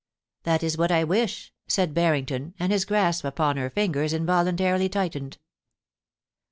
* That is what I wish,' said Barrington, and his grasp upon her fingers involuntarily tightened.